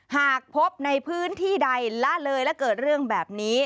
หากพบในพื้นที่ใดละเลยและเกิดเรื่องแบบนี้